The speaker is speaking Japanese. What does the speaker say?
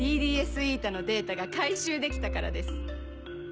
ＤＤＳηのデータが回収できたからです。